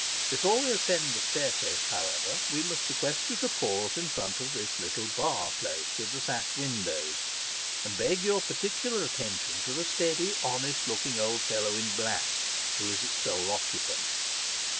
Before we ascend the staircase, however, we must request you to pause in front of this little bar place with the sash windows ; and beg your particular attention to the steady honest looking old fellow in black, who is its sole occupant.